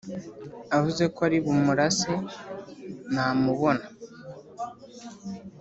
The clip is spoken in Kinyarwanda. avuze ko ari bumurase namubona